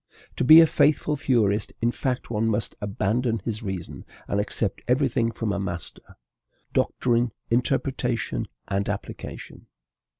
To be a faithful Fourierist, in fact, one must abandon his reason and accept every thing from a master, doctrine, interpretation, and application.